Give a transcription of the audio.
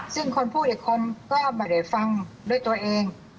ซึ่งคนพูดอีกคนก็ไม่ได้ฟังด้วยตัวเอง